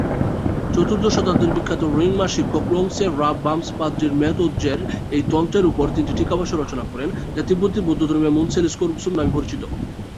চতুর্দশ শতাব্দীর বিখ্যাত র্ন্যিং-মা শিক্ষক ক্লোং-ছে-রাব-'ব্যাম্স-পা-দ্রি-মেদ-'ওদ-জের এই তন্ত্রের ওপর তিনটি টীকাভাষ্য রচনা করেন, যা তিব্বতী বৌদ্ধধর্মে মুন-সেল-স্কোর-গ্সুম নামে পরিচিত।